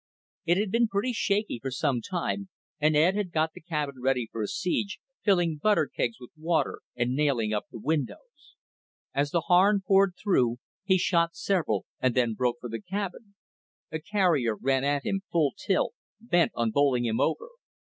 It had been pretty shaky for some time, and Ed had got the cabin ready for a siege, filling butter kegs with water and nailing up the windows. As the Harn poured through, he shot several and then broke for the cabin. A carrier ran at him full tilt, bent on bowling him over.